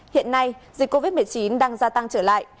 hiện nay dịch covid một mươi chín đang gia tăng trở lại